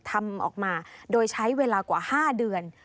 ทำออกมาโดยใช้เวลากว่า๕เดือน